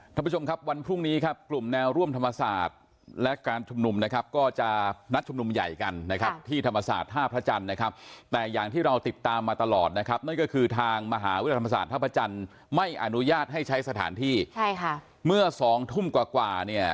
ท่านผู้ชมครับวันพรุ่งนี้ครับกลุ่มแนวร่วมธรรมศาสตร์และการชุมนุมนะครับก็จะนัดชุมนุมใหญ่กันนะครับที่ธรรมศาสตร์ท่าพระจันทร์นะครับแต่อย่างที่เราติดตามมาตลอดนะครับนั่นก็คือทางมหาวิทยาลัยธรรมศาสตร์ท่าพระจันทร์ไม่อนุญาตให้ใช้สถานที่ใช่ค่ะเมื่อสองทุ่มกว่ากว่าเนี่ย